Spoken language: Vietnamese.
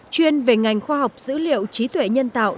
chuyên về ngành khoa học dữ liệu trí tuệ nhân tạo